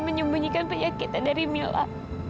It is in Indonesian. menyembunyikan penyakitnya dari mila